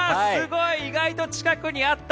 意外と近くにあった。